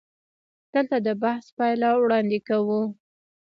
دلته د بحث پایله وړاندې کوو.